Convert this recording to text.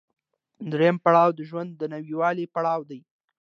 درېیم پړاو د ژوند د نويوالي پړاو دی